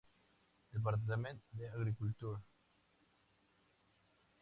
Department of Agriculture.